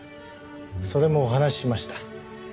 それもお話ししました。